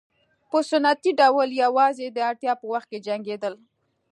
په سنتي ډول یوازې د اړتیا په وخت کې جنګېدل.